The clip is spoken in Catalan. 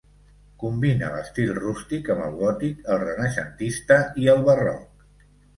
Combina l'estil rústic amb el gòtic, el renaixentista i el barroc.